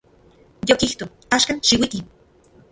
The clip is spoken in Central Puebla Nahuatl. Yokijto; axkan, xiuiki.